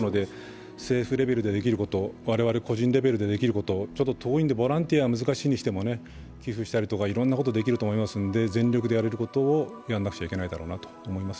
政府レベルでできること、我々個人レベルでできること、ちょっと遠いので、ボランティアは難しいにしても、寄付したりとかいろんなことができると思うので全力でやれることをやらなきゃいけないだろうなと思います。